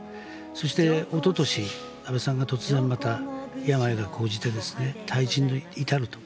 そして、おととし安倍さんが突然、病が高じて退陣に至ると。